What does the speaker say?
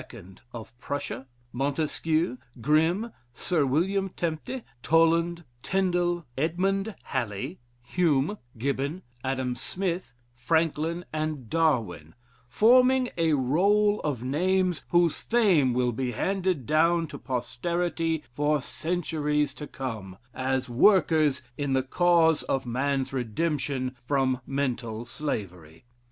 of Prussia, Montesquieu, Grimm, Sir William Tempte, Toland, Tindel, Edmund Halley, Hume, Gibbon, Adam Smith, Franklin, and Darwin, forming a role of names, whose fame will be handed down to posterity for centuries to come, as workers in the cause of man's redemption from mental slavery.